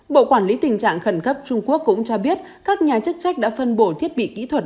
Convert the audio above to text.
bộ quản lý tình trạng khẩn cấp trung quốc cũng cho biết các nhà chức trách đã phân bổ thiết bị kỹ thuật